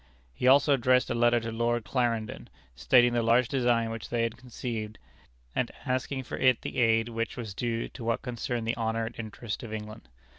He also addressed a letter to Lord Clarendon, stating the large design which they had conceived, and asking for it the aid which was due to what concerned the honor and interest of England.